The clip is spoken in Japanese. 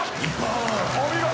お見事！